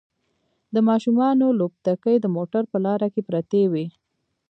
د ماشومانو لوبتکې د موټر په لاره کې پرتې وي